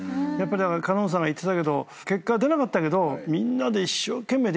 花音さんが言ってたけど結果は出なかったけどみんなで一生懸命できた。